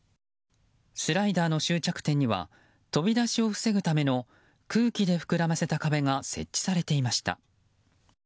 スライダーの終着点には飛び出しを防ぐための空気で膨らませた壁が設置されていました。